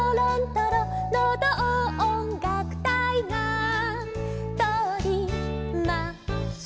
「のどをおんがくたいがとおります」